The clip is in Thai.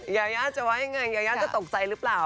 ยาย๊ะจะไหวอย่างไรยาย๊ะจะตกใจหรือเปล่า